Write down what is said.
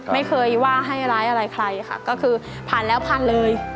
ไม่เคยว่าให้ร้ายอะไรใครค่ะก็คือผ่านแล้วผ่านเลย